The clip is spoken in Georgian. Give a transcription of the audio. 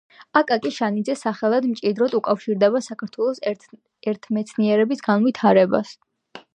აკაკი შანიძეს სახელი მჭიდროდ უკავშირდება ქართული ენათმეცნიერების განვითარებას.